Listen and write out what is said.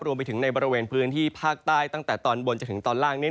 รวมไปถึงในบริเวณพื้นที่ภาคใต้ตั้งแต่ตอนบนจนถึงตอนล่าง